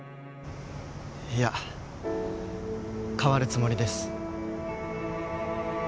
いや変わるつもりです。